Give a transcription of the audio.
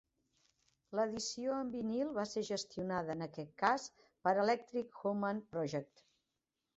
L'edició en vinil va ser gestionada, en aquest cas, per Electric Human Project.